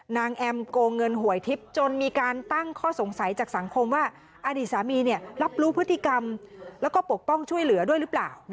แอมโกงเงินหวยทิพย์จนมีการตั้งข้อสงสัยจากสังคมว่าอดีตสามีรับรู้พฤติกรรมแล้วก็ปกป้องช่วยเหลือด้วยหรือเปล่า